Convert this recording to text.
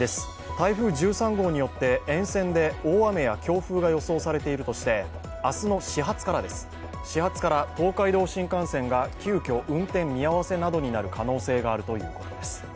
台風１３号によって沿線で大雨や強風が予想されているとして、明日の始発から東海道新幹線が急きょ運転見合わせなどになる可能性があるということです。